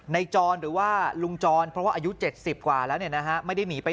จรหรือว่าลุงจรเพราะว่าอายุ๗๐กว่าแล้วเนี่ยนะฮะไม่ได้หนีไป